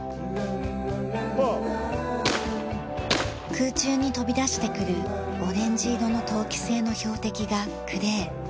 空中に飛び出してくるオレンジ色の陶器製の標的がクレー。